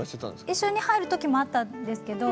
一緒に入るときもあったんですけど